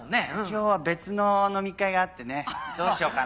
今日は別の飲み会があってねどうしようかな。